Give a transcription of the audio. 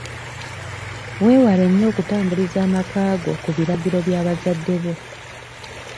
Weewale nnyo okutambuliza amakaago ku biragiro bya bazadde bo.